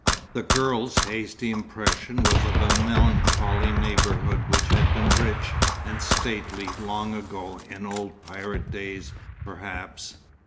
The girl's hasty impression was of a melancholy neighbourhood which had been rich and stately long ago in old pirate days, perhaps.